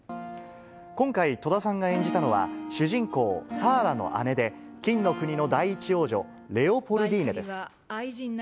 今回、戸田さんが演じたのは、主人公、サーラの姉で、金の国の第一王女、レオポルディーネです。